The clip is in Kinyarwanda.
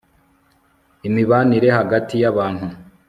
imibanire hagati y abantu